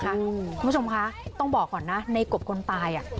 คุณผู้ชมคะต้องบอกก่อนนะในกบคนตาย